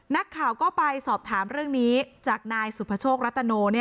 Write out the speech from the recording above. นักข่าวก็ไปสอบถามเรื่องนี้จากนายสุภโชครัตโน